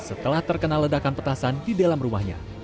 setelah terkena ledakan petasan di dalam rumahnya